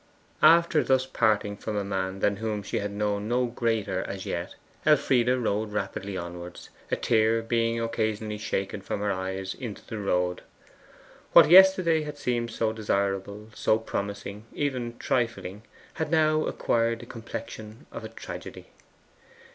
After thus parting from a man than whom she had known none greater as yet, Elfride rode rapidly onwards, a tear being occasionally shaken from her eyes into the road. What yesterday had seemed so desirable, so promising, even trifling, had now acquired the complexion of a tragedy.